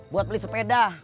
buat beli sepeda